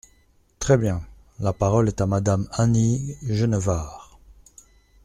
Très bien ! La parole est à Madame Annie Genevard.